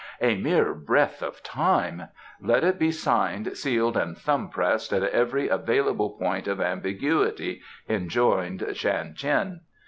"A mere breath of time " "Let it be signed, sealed and thumb pressed at every available point of ambiguity," enjoined Shan Tien.